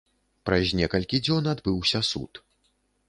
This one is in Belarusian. Праз некалькі дзён адбыўся суд.